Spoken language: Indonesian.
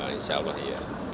insya allah ya